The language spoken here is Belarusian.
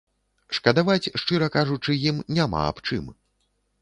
Шкадаваць, шчыра кажучы, ім няма аб чым.